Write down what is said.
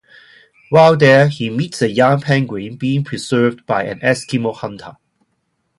While there, he meets a young penguin being pursued by an Eskimo hunter.